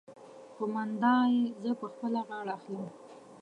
قومانده يې زه په خپله غاړه اخلم.